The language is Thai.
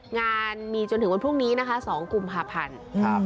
งานมีจนถึงวันพรุ่งนี้นะคะ๒กุมภาพันธ์